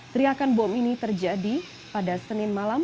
teriakan bom ini terjadi pada senin malam